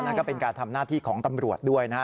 นั่นก็เป็นการทำหน้าที่ของตำรวจด้วยนะฮะ